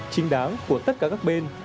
chính đáng của tất cả các bên